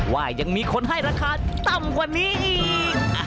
ว่ายังมีคนให้ราคาต่ำกว่านี้อีก